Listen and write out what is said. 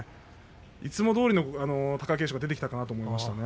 いつもどおりの貴景勝が出てきたかなと思いましたね。